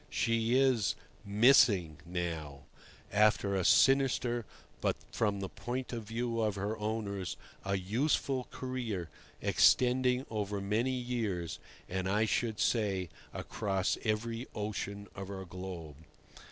She is "missing" now, after a sinister but, from the point of view of her owners, a useful career extending over many years, and, I should say, across every ocean of our globe.